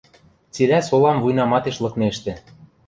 Цилӓ солам вуйнаматеш лыкнештӹ.